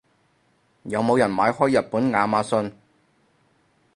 有冇人買開日本亞馬遜？